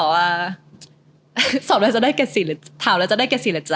ก็คิดว่าเห็นหน้าเรามาได้คำถามแล้วจะได้แก่สีเหรอจ๊ะ